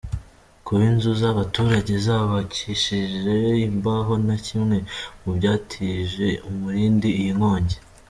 Kuba inzu z’abaturage zubakishije imbaho ni kimwe mu byatije umurindi iyi nkongi.